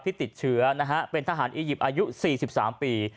ติดเชื้อนะฮะเป็นทหารอียิปต์อายุ๔๓ปี